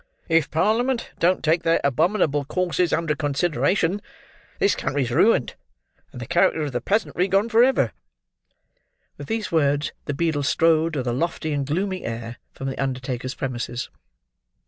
If Parliament don't take their abominable courses under consideration, this country's ruined, and the character of the peasantry gone for ever!" With these words, the beadle strode, with a lofty and gloomy air, from the undertaker's premises.